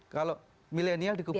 kalau millennial di kubu